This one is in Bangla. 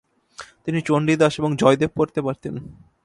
তিনি চন্ডীদাস এবং জয়দেব পড়তে পারতেন।